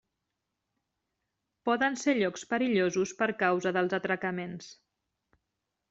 Poden ser llocs perillosos per causa dels atracaments.